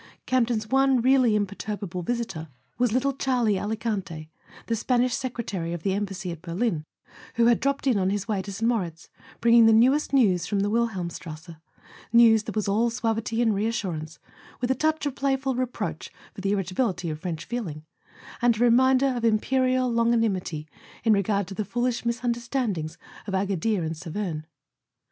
Campton's one really imperturbable visitor was [ 6 ] A SON AT THE FRONT little Charlie Alicante, the Spanish secretary of Em¬ bassy at Berlin, who had dropped in on his way to St. Moritz, bringing the newest news from the Wil helmstrasse, news that was all suavity and reassurance, with a touch of playful reproach for the irritability of French feeling, and a reminder of Imperial longanimity in regard to the foolish misunderstandings of Agadir and Saverne.